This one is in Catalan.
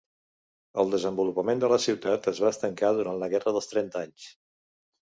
El desenvolupament de la ciutat es va estancar durant la Guerra dels Trenta Anys.